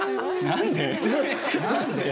「何で？」